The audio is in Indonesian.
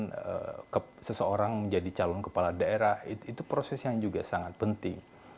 kemudian seseorang menjadi calon kepala daerah itu proses yang juga sangat penting